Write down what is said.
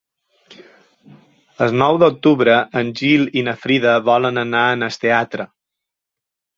El nou d'octubre en Gil i na Frida volen anar al teatre.